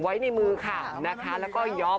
ไว้ในมือค่ะนะคะแล้วก็ย้อม